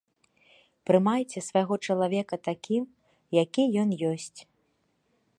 Прымайце свайго чалавека такім, які ён ёсць.